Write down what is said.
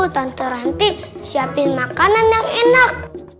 tante ranti siapin makanan yang enak